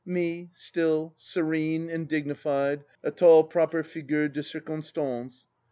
Me, still, serene, and dignified, a tall, proper figure de cir Constance.